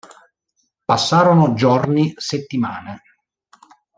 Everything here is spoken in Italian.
Passarono giorni, settimane.